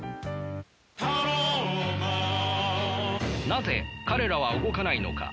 なぜ彼らは動かないのか。